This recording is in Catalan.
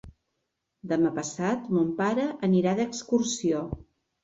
Demà passat mon pare anirà d'excursió.